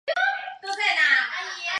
绍尔基卡波尔瑙。